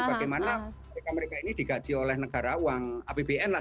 bagaimana mereka mereka ini digaji oleh negara uang apbn lah